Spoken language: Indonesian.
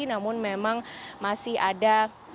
namun memang masih ada